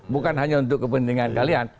bukan hanya untuk kepentingan kalian